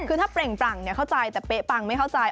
คือถ้าเปล่งปรั่งเข้าใจแต่เป๊ะปังไม่เข้าใจ